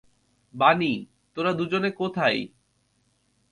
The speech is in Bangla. বানি, তোরা দুজনে কোথাই?